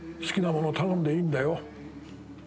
好きなもの頼んでいいんだよ。